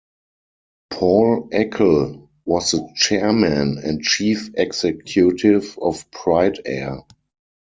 Paul Eckel was the chairman and chief executive of Pride Air.